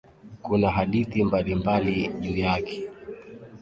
Kuna hadithi mbalimbali juu yake.